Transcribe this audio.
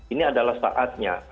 ini adalah saatnya